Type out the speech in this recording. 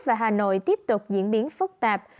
và hà nội tiếp tục diễn biến phức tạp